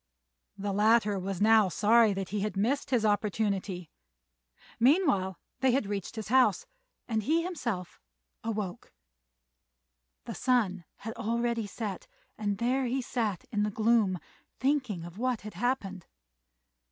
The latter was now sorry that he had missed his opportunity; meanwhile they reached his house, and he himself awoke. The sun had already set, and there he sat in the gloom thinking of what had happened.